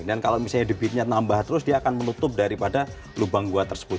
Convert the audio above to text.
dan kalau misalnya debitnya nambah terus dia akan menutup daripada lubang gua tersebut